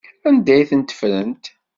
Anda ay ten-ffrent?